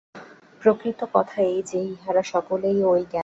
প্রকৃত কথা এই যে, ইঁহারা সকলেই ঐ জ্ঞানাতীত অবস্থায় হঠাৎ আসিয়া পড়িয়াছেন।